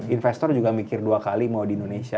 investor juga mikir dua kali mau di indonesia